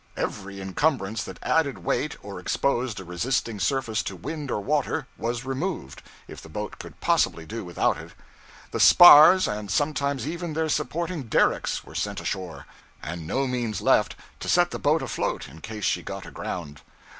Every encumbrance that added weight, or exposed a resisting surface to wind or water, was removed, if the boat could possibly do without it. The 'spars,' and sometimes even their supporting derricks, were sent ashore, and no means left to set the boat afloat in case she got aground.